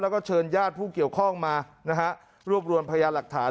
แล้วก็เชิญญาติผู้เกี่ยวข้องมานะฮะรวบรวมพยานหลักฐาน